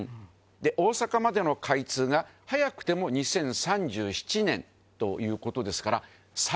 大阪までの開通が早くても２０３７年という事ですから巴擦任